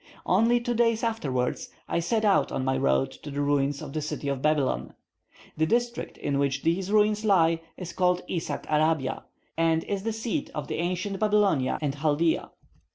Only two days afterwards, I set out on my road to the ruins of the city of Babylon. The district in which these ruins lie is called Isak Arabia, and is the seat of the ancient Babylonia and Chaldea.